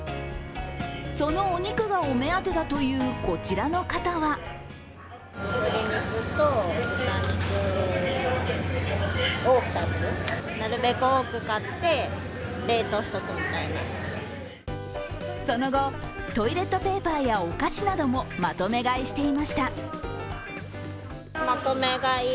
そのお肉がお目当てだという、こちらの方はその後、トイレットペーパーやお菓子などもまとめ買いしていました。